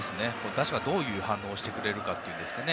打者がどういう反応をしてくれるかというんですかね。